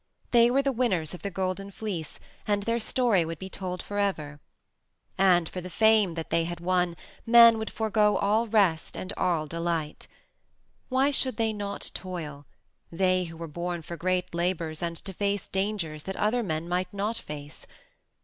They were the winners of the Golden Fleece and their story would be told forever. And for the fame that they had won men would forego all rest and all delight. Why should they not toil, they who were born for great labors and to face dangers that other men might not face?